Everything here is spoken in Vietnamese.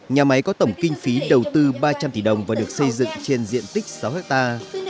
nhà máy có tổng kinh phí đầu tư ba trăm linh tỷ đồng và được xây dựng trên diện tích sáu hectare